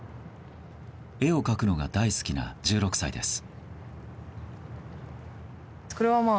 絵を描くのが大好きな１６歳です。